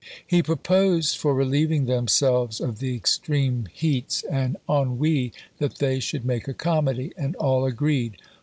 He proposed, for relieving themselves of the extreme heats and ennui, that they should make a comedy, and all agreed.